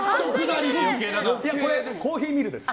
これはコーヒーミルです。